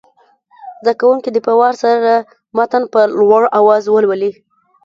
زده کوونکي دې په وار سره متن په لوړ اواز ولولي.